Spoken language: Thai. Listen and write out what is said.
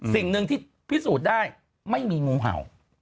สิ่งหนึ่งที่พิสูจน์ได้ไม่มีงูเห่า